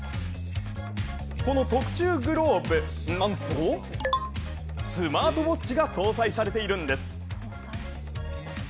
この特注グローブ、なんとスマートウォッチが搭載されているんです。